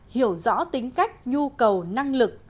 hiểu rõ tính cách nhu cầu năng lực